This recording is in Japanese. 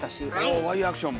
おワイヤーアクションも。